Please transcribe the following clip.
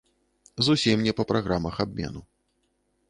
Зусім не па праграмах абмену.